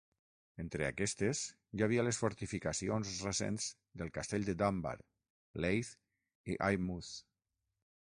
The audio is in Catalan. Entre aquestes hi havia les fortificacions recents del castell de Dunbar, Leith i Eyemouth.